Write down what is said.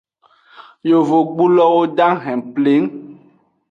Yovogbulowo dahen pleng.